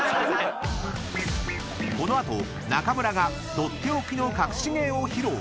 ［この後中村が取って置きの隠し芸を披露］